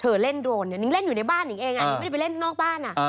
เธอเล่นโดรนเนี่ยนิ้งเล่นอยู่ในบ้านเนี่ยเองไม่ได้ไปเล่นข้างนอกบ้าน